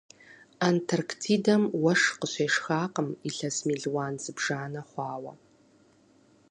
Антарктидэм уэшх къыщешхакъым илъэс мелуан зыбжанэ хъуауэ.